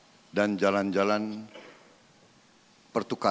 melalui jalan jalan perundingan